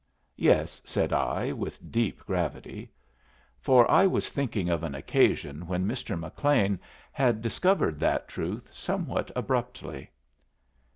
"Yes," said I, with deep gravity. For I was thinking of an occasion when Mr. McLean had discovered that truth somewhat abruptly.